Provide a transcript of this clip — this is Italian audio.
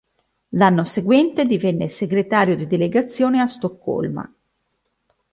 L'anno seguente divenne Segretario di delegazione a Stoccolma.